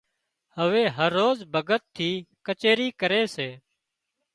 هوي هروز ڀڳت ٿِي ڪچيرِي ڪري سي